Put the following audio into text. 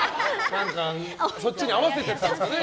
そっちに合わせたんですかね。